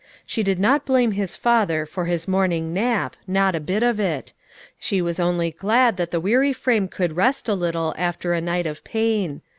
She did not blame his father for his morning nap, not a bit of it; she was only glad that the weary frame could rest a little after a night of pain.